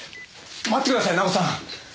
待ってください奈緒さん！